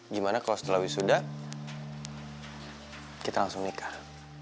gimana kalau setelah wisuda kita langsung nikah